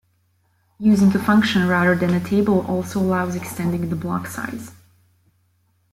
Using a function rather than a table also allows extending the block size.